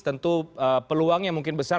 tentu peluangnya mungkin besar